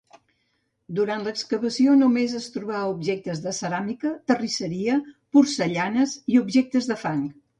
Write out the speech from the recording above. Durant l'excavació, només es trobà objectes de ceràmica, terrisseria, porcellanes i objectes de fang.